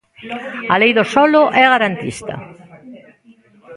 A Lei do solo é garantista.